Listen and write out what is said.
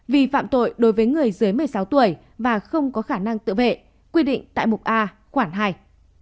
vi phạm tội đối với người dưới một mươi sáu tuổi và không có khả năng tự vệ quy định tại mục a khoản hai